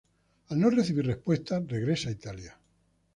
Al no recibir respuesta, regresa a Italia.